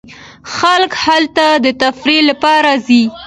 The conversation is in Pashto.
خلک هلته د تفریح لپاره ځي.